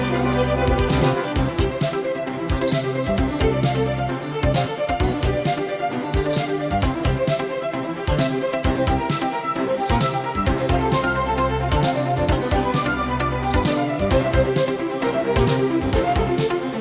hẹn gặp lại